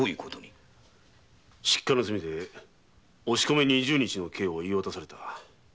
失火の罪で「押込二十日」の刑を言い渡された。